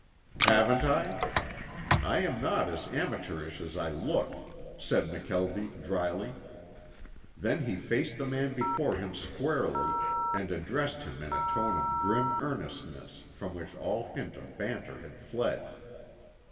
"Haven't I? I am not as amateurish as I look," said McKelvie, dryly. Then he faced the man before him squarely and addressed him in a tone of grim earnestness from which all hint of banter had fled.